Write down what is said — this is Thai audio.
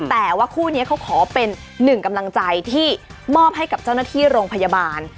แต่ว่าคู่นี้เขาขอเป็นหนึ่งกำลังใจที่มอบให้กับเจ้าหน้าที่โรงพยาบาล